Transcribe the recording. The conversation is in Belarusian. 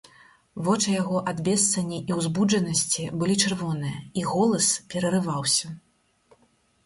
Вочы яго ад бессані і ўзбуджанасці былі чырвоныя, і голас перарываўся.